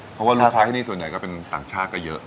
เพราะว่าลูกค้าที่นี่ส่วนใหญ่ก็เป็นต่างชาติก็เยอะ